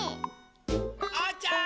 ・おうちゃん！